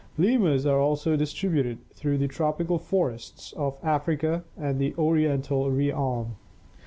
Lemurs are also distributed through the tropical forests of Africa and the Oriental realm.